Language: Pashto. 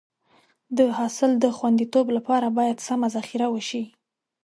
د حاصل د خونديتوب لپاره باید سمه ذخیره وشي.